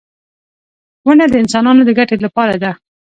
• ونه د انسانانو د ګټې لپاره ده.